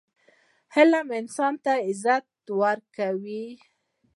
علم انسان ته عزت ورکوي.